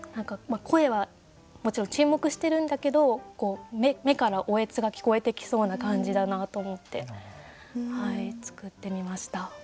声はもちろん沈黙してるんだけど目から嗚咽が聞こえてきそうな感じだなと思って作ってみました。